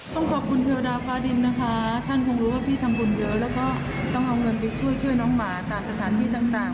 ต้องขอบคุณเทวดาฟ้าดินนะคะท่านคงรู้ว่าพี่ทำบุญเยอะแล้วก็ต้องเอาเงินไปช่วยช่วยน้องหมาตามสถานที่ต่าง